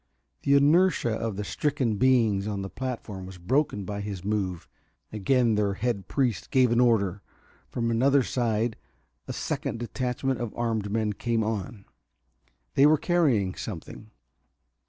The inertia of the stricken beings on the platform was broken by his move. Again their head priest gave an order; from another side a second detachment of armed men came on. They were carrying something.